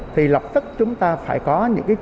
thì lập tức chúng ta phải có những quyết định